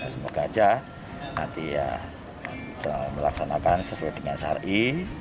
semoga aja nanti ya melaksanakan sesuai dengan syari